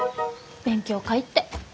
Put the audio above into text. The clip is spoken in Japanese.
勉強会って。